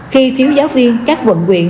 khi thiếu giáo viên các quận quyện